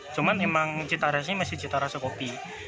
cuman emang cita rasanya masih cita rasa kopi